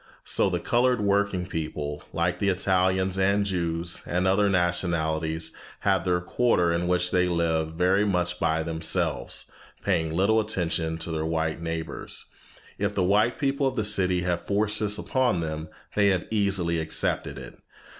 So the colored working people, like the Italians and Jews and other nationalities, have their quarter in which they live very much by themselves, paying little attention to their white neighbors. If the white people of the city have forced this upon them, they have easily accepted it.